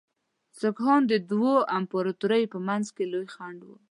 سیکهان د دواړو امپراطوریو په منځ کې لوی خنډ وو.